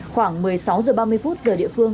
khoảng một mươi sáu giờ ba mươi phút giờ địa phương